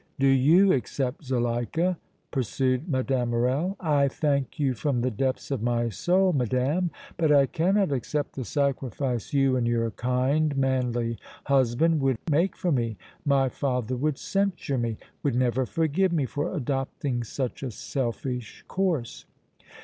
"Do you accept, Zuleika?" pursued Mme. Morrel. "I thank you from the depths of my soul, madame; but I cannot accept the sacrifice you and your kind, manly husband would make for me! My father would censure me, would never forgive me for adopting such a selfish course!"